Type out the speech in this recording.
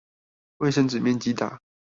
衛生紙面積大